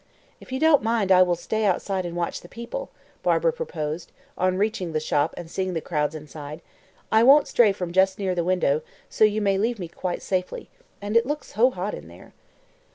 "If you don't mind I will stay outside and watch the people," Barbara proposed, on reaching the shop and seeing the crowds inside. "I won't stray from just near the window, so you may leave me quite safely and it looks so hot in there."